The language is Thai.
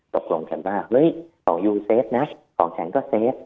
ตกลงกันว่าเฮ้ยของยูเซฟนะของแข็งก็เซฟ